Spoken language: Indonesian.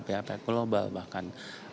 pihak pihak global bahkan